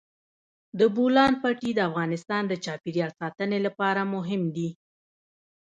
د بولان پټي د افغانستان د چاپیریال ساتنې لپاره مهم دي.